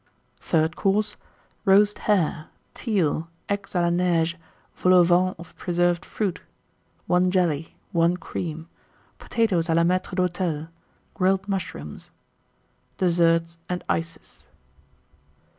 THIRD COURSE. Roast Hare. Teal. Eggs à la Neige. Vol au Vent of Preserved Fruit. 1 Jelly. 1 Cream. Potatoes à la Maître d'Hôtel. Grilled Mushrooms. DESSERT AND ICES.